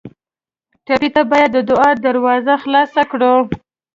ټپي ته باید د دعا دروازه خلاصه کړو.